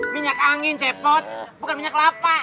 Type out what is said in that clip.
minyak angin cepet minyak kelapa